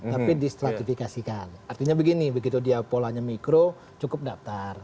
tapi distratifikasikan artinya begini begitu dia polanya mikro cukup daftar